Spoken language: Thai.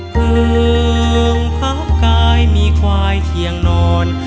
เพลิงพักกายมีควายเชียงนอน